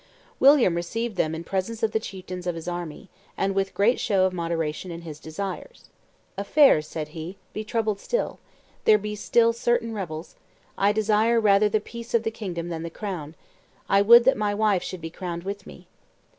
William received them in presence of the chieftains of his army, and with great show of moderation in his desires. "Affairs," said he, "be troubled still; there be still certain rebels; I desire rather the peace of the kingdom than the crown; I would that my wife should be crowned with me."